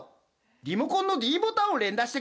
リモコンのｄボタンを連打してくれ。